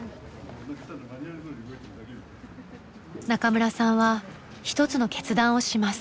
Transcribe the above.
中村さんは一つの決断をします。